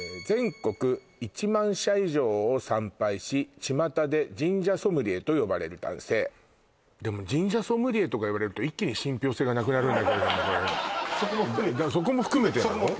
全国１００００社以上を参拝し巷で神社ソムリエと呼ばれる男性でも神社ソムリエとか言われると一気に信憑性がなくなるんだけどそこも含めてなの？